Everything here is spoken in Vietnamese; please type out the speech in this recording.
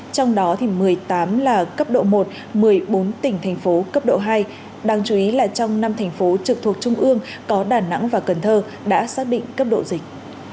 trong đó một mươi tám là cấp độ một một mươi bốn tỉnh thành phố cấp độ hai đáng chú ý là trong năm thành phố trực thuộc trung ương có đà nẵng và cần thơ đã xác định cấp độ dịch